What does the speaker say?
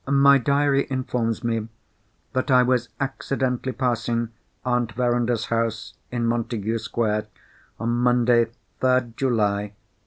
] My diary informs me, that I was accidentally passing Aunt Verinder's house in Montagu Square, on Monday, 3rd July, 1848.